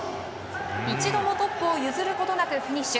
一度もトップを譲ることなくフィニッシュ。